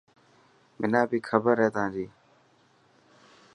منا بي کبر هي تانجي.